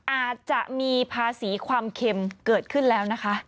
อาจจะมีภาษีความเค็มเกิดขึ้นแล้วนะคะ